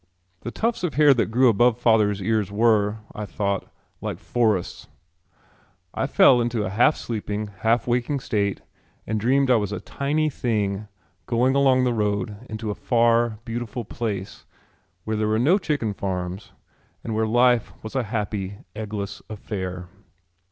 The tufts of hair that grew above father's ears were, I thought, like forests. I fell into a half sleeping, half waking state and dreamed I was a tiny thing going along the road into a far beautiful place where there were no chicken farms and where life was a happy eggless affair.